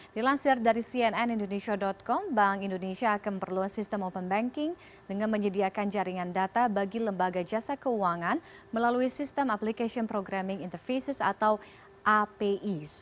dilansir dari cnn indonesia com bank indonesia akan memperluas sistem open banking dengan menyediakan jaringan data bagi lembaga jasa keuangan melalui sistem application programming intervices atau api